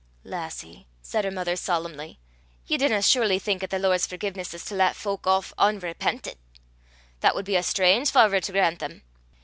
"Lassie," said her mother solemnly, "ye dinna surely think 'at the Lord's forgifness is to lat fowk aff ohn repentit? That wad be a strange fawvour to grant them!